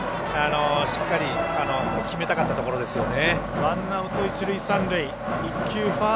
しっかり決めたかったところですよね。